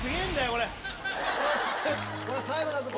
これ最後だぞ！